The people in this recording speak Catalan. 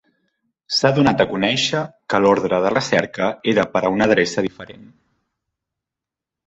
S'ha donat a conèixer que l'ordre de recerca era per a una adreça diferent.